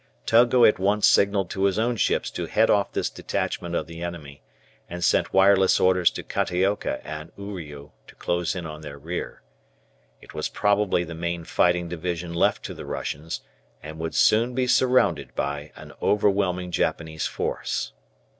Togo at once signalled to his own ships to head off this detachment of the enemy, and sent wireless orders to Kataoka and Uriu to close in on their rear. It was probably the main fighting division left to the Russians, and would soon be surrounded by an overwhelming Japanese force.